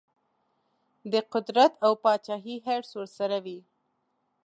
د قدرت او پاچهي حرص ورسره وي.